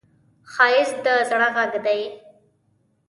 ښایست د زړه غږ دی